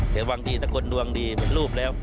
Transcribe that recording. แต่บางทีถ้าคนดวงดีเป็นรูปแล้ว